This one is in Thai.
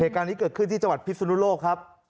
เหตุการณ์นี้เกิดขึ้นที่จังหวัดพิศนุโลกครับ